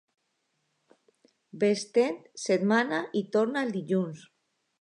Ves-te'n, setmana, i torna el dilluns.